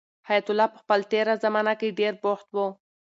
حیات الله په خپل تېره زمانه کې ډېر بوخت و.